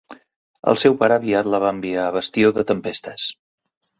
El seu pare aviat la va enviar a Bastió de Tempestes.